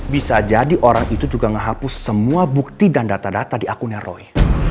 bisa jadi orang itu juga menghapus semua bukti dan data data di akunnya roy